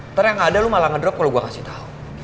ntar yang gak ada lu malah ngedrop kalo gua kasih tau